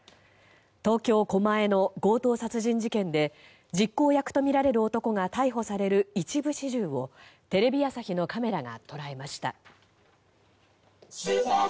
東京・狛江の強盗殺人事件で実行役とみられる男が逮捕される一部始終をテレビ朝日のカメラが捉えました。